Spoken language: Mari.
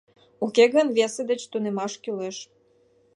Уке гын, весе деч тунемаш кӱлеш!